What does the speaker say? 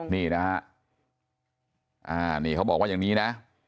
นี่นะฮะนี่เขาบอกว่าอย่างนี้นะ